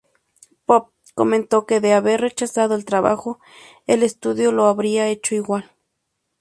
Pop comentó que de haber rechazado el trabajo, el estudio lo habría hecho igual.